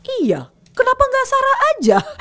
iya kenapa gak sarah aja